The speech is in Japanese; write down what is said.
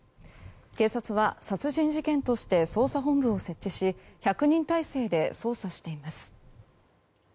警察は、殺人事件として捜査本部を設置し１００人態勢で捜査しています。